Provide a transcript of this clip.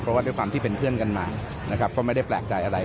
เพราะว่าด้วยความที่เป็นเพื่อนกันมานะครับก็ไม่ได้แปลกใจอะไร